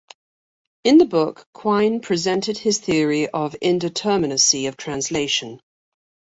In the book Quine presented his theory of indeterminacy of translation.